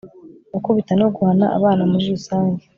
gukubita no guhana abana muri rusange